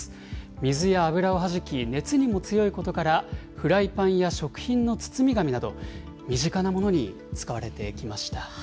水や油をはじき、熱にも強いことから、フライパンや食品の包み紙など、身近なものに使われてきました。